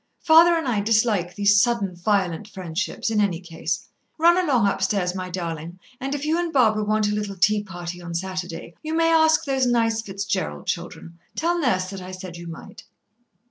Father and I dislike these sudden, violent friendships, in any case. Run along upstairs, my darling, and if you and Barbara want a little tea party on Saturday, you may ask those nice Fitzgerald children. Tell Nurse that I said you might."